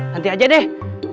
nanti aja deng